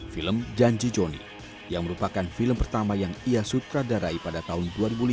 film janji joni yang merupakan film pertama yang ia sutradarai pada tahun dua ribu lima